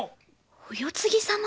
お世継ぎ様？